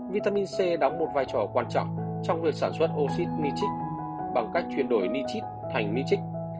vitamin c đóng một vai trò quan trọng trong việc sản xuất oxy nitric bằng cách chuyển đổi nitric thành nitric